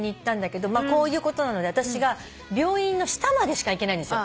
こういうことなので私が病院の下までしか行けないんです。